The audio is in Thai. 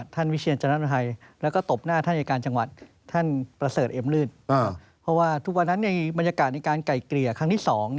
สวัสดีครับอาจารย์สุดครับครับ